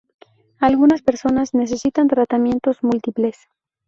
Algunas personas necesitan tratamientos múltiples.